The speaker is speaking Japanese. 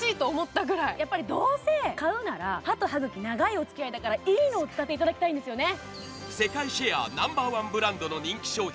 どうせ買うなら、歯と歯ぐき、長いおつきあいだからいい商品を使っていただきたいですね。